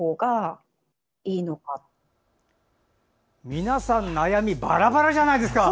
皆さん悩みばらばらじゃないですか。